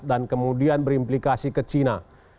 kemudian berimplikasi ke china